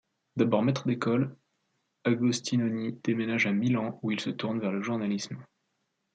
D'abord maître d'école, Agostinoni déménage à Milan où il se tourne vers le journalisme.